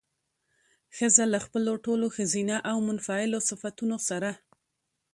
ښځه له خپلو ټولو ښځينه او منفعلو صفتونو سره